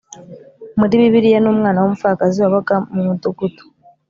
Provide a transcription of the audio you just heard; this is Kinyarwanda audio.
Muri bibiliya ni umwana w umupfakazi wabaga mu mudugudu